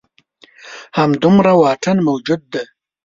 همدومره واټن موجود دی.